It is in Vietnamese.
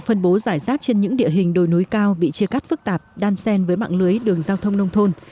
phân bố giải rác trên những địa hình đồi núi cao bị chia cắt phức tạp đan sen với mạng lưới đường giao thông nông thôn